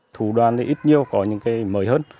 thủ đoàn thì ít nhiều có những cái mới hơn